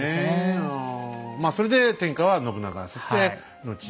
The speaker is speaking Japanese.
まあそれで天下は信長そして後に。